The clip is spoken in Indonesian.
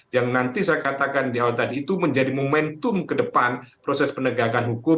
yang nanti saya katakan di awal tadi itu menjadi momentum ke depan proses penegakan hukum